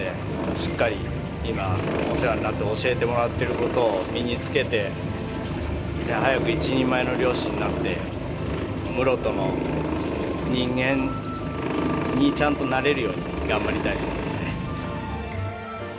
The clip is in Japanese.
しっかり今お世話になって教えてもらってることを身につけて早く一人前の漁師になって室戸の人間にちゃんとなれるように頑張りたいと思いますね。